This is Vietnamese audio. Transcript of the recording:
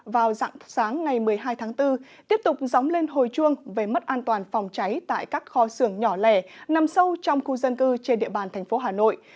vào dặng sáng ngày một mươi hai tháng bốn tiếp tục dóng lên hồi chuông về mất an toàn phòng cháy tại các kho xưởng nhỏ lẻ nằm sâu trong khu dân cư trên địa bàn thành phố hà nội